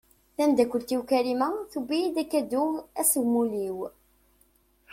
Tamdakkelt-iw Karima tewwi-iyi-d akadu ass n umuli-w.